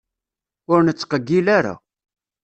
Ur nettqeggil ara.